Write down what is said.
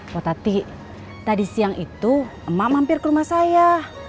potati tadi siang itu emak mampir ke rumah saya